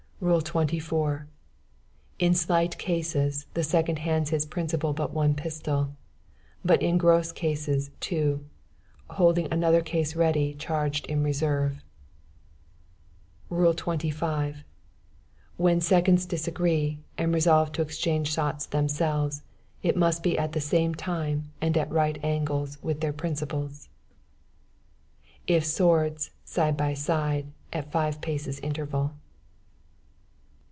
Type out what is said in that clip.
"Rule 24. In slight cases, the second hands his principal but one pistol; but in gross cases, two, holding another case ready charged in reserve. "Rule 25. When seconds disagree, and resolve to exchange shots themselves, it must be at the same time and at right angles with their principals. "If with swords, side by side, at five paces interval.